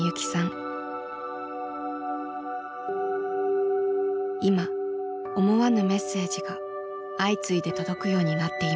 今思わぬメッセージが相次いで届くようになっています。